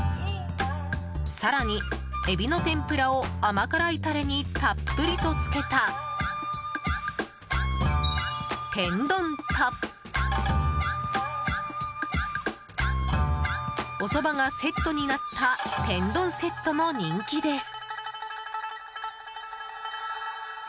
更に、エビの天ぷらを甘辛いタレにたっぷりとつけた天丼とおそばがセットになった天丼セットも人気です。